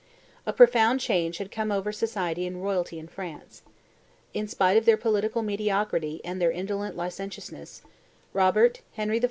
A profound change had come over society and royalty in France. In spite of their political mediocrity and their indolent licentiousness, Robert, Henry I.